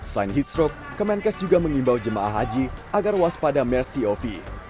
selain heatstroke kemenkes juga menghimbau jamaah haji agar waspada mers cov